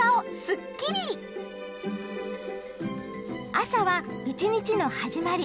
朝は一日の始まり。